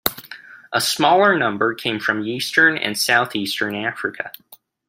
A smaller number came from eastern and southeastern Africa.